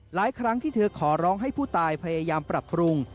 หลายครั้งที่เธอขอร้องให้ผู้ตายพยายามปรับปรุง